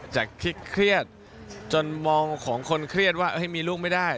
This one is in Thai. จากที่เครียดจนมองของคนเครียดว่ามีลูกไม่ได้